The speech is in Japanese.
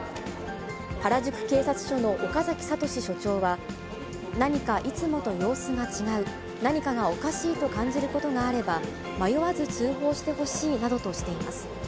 原宿警察署の岡崎聖署長は、何かいつもと様子が違う、何かがおかしいと感じることがあれば、迷わず通報してほしいなどとしています。